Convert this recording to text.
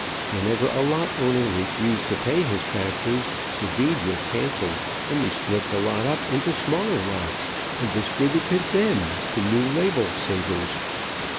Whenever a lot owner refused to pay his taxes, the deed was cancelled; and we split the lot up into smaller lots, and distributed them to new label savers.